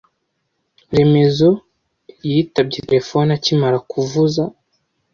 Remezo yitabye terefone akimara kuvuza.